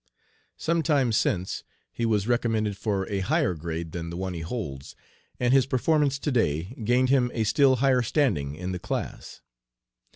Some time since he was recommended for a higher grade than the one he holds, and his performance to day gained him a still higher standing in the class."